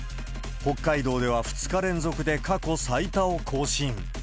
北海道では２日連続で過去最多を更新。